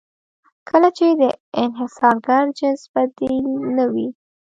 کله چې د انحصارګر جنس بدیل نه وي.